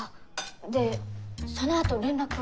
でそのあと連絡は？